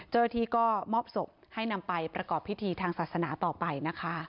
เจ้าหน้าที่ก็มอบศพให้นำไปประกอบพิธีทางศาสนาต่อไปนะคะ